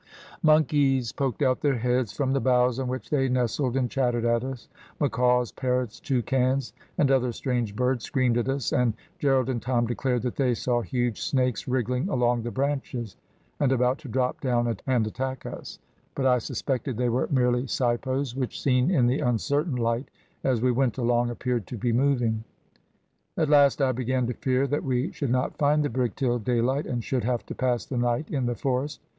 "Monkeys poked out their heads from the boughs on which they nestled and chattered at us; macaws, parrots, toucans, and other strange birds, screamed at us, and Gerald and Tom declared that they saw huge snakes wriggling along the branches, and about to drop down and attack us, but I suspected they were merely sipos, which, seen in the uncertain light, as we went along, appeared to be moving. At last I began to fear that we should not find the brig till daylight, and should have to pass the night in the forest.